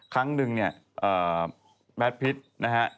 ครั้งหนึ่งเนี่ยแวทพริดนะครับ